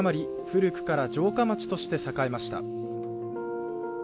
古くから城下町として栄えました。